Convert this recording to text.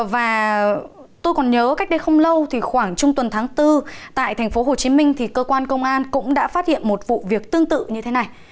và tôi còn nhớ cách đây không lâu thì khoảng trong tuần tháng bốn tại thành phố hồ chí minh thì cơ quan công an cũng đã phát hiện một vụ việc tương tự như thế này